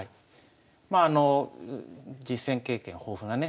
まああの実戦経験豊富なね